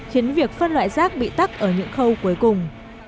khiến việc phân loại rác bị tắt ở những khâu cuối cùng